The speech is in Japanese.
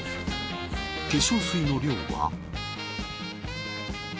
化粧水の量は。